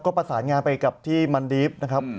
ก็ประสานงานไปกับที่มันดีฟนะครับ